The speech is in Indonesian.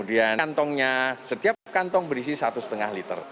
dan kantongnya setiap kantong berisi satu lima liter